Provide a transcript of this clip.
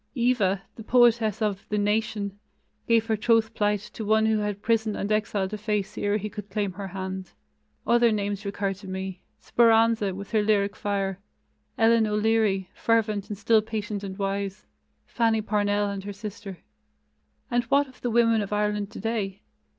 "Eva," the poetess of the Nation, gave her troth plight to one who had prison and exile to face ere he could claim her hand. Other names recur to me "Speranza", with her lyric fire; Ellen O'Leary, fervent and still patient and wise; Fanny Parnell and her sister. And what of the women of Ireland today?